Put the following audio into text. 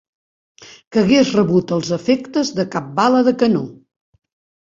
...que hagués rebut els efectes de cap bala de canó.